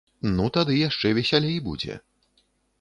Ну тады яшчэ весялей будзе.